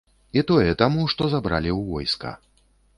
І тое таму, што забралі ў войска.